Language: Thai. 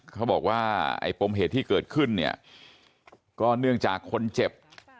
เขาบอกว่าไอ้ปมเหตุที่เกิดขึ้นเนี่ยก็เนื่องจากคนเจ็บ